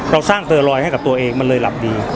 เราสร้างเตอร์ลอยให้กับตัวเองมันเลยหลับดี